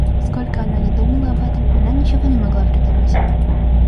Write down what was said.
Сколько она ни думала об этом, она ничего не могла придумать.